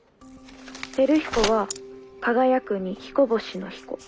輝彦は輝くに彦星の彦。